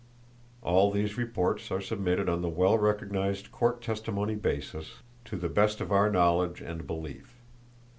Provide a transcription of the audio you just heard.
All these reports are submitted on the well recognized court testimony basis,—"to the best of our knowledge and belief."